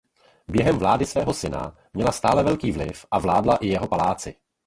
Během vlády svého syna měla stále velký vliv a vládla i jeho paláci.